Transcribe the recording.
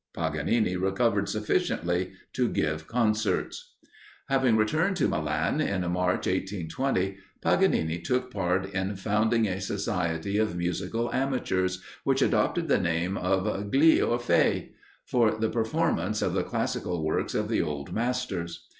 Paganini recovered sufficiently to give concerts. Having returned to Milan, in March, 1820, Paganini took part in founding a society of musical amateurs, which adopted the name of "Gli Orfei," for the performance of the classical works of the old masters.